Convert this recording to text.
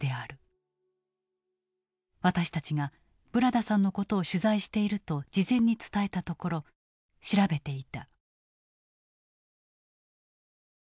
私たちがブラダさんのことを取材していると事前に伝えたところ調べていた。